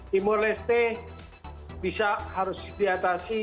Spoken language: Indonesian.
timur leste bisa harus diatasi